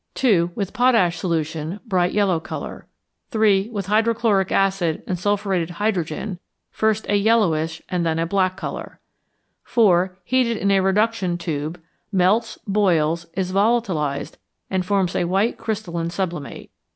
With potash solution Bright yellow colour. 3. With hydrochloric acid and First a yellowish and then a black sulphuretted hydrogen colour. 4. Heated in a reduction tube Melts, boils, is volatilized, and forms a white crystalline sublimate.